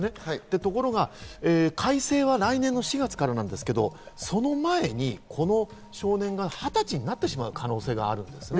ところが改正は来年の４月からなんですけど、その前にこの少年が２０歳になってしまう可能性があるんですね。